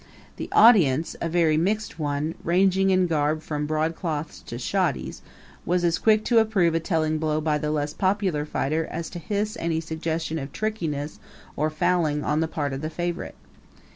The audience a very mixed one, ranging in garb from broadcloths to shoddies was as quick to approve a telling blow by the less popular fighter as to hiss any suggestion of trickiness or fouling on the part of the favorite.